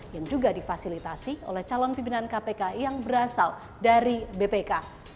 yang juga difasilitasi oleh calon pimpinan kpk yang berasal dari bpk